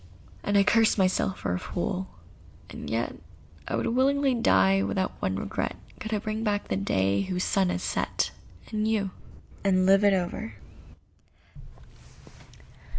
And I curse myself for a fool. And yet I would willingly die without one regret Could I bring back the day whose sun has set— And you—and live it over.